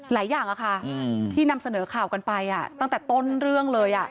หลายอย่างที่นำเสนอข่าวกันไปตั้งแต่ต้นเรื่องเลย